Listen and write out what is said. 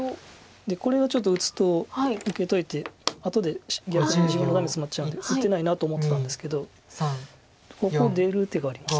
でこれがちょっと打つと受けといて後で逆に自分のダメツマっちゃうんで打てないなと思ってたんですけどここ出る手があります。